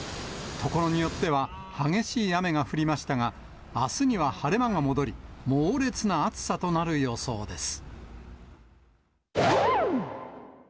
所によっては激しい雨が降りましたが、あすには晴れ間が戻り、猛烈な暑さとなる予想です。